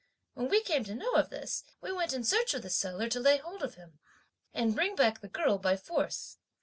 When we came to know of this, we went in search of the seller to lay hold of him, and bring back the girl by force.